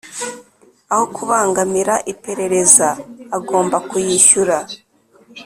Aho kubangamira iperereza agomba kuyishyura